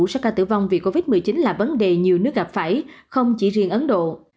số ca tử vong vì covid một mươi chín là vấn đề nhiều nước gặp phải không chỉ riêng ấn độ